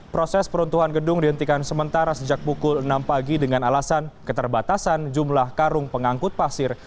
proses peruntuhan gedung dihentikan sementara sejak pukul enam pagi dengan alasan keterbatasan jumlah karung pengangkut pasir